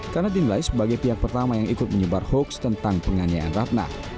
karena dinilai sebagai pihak pertama yang ikut menyebar hoaks tentang penganiayaan ratna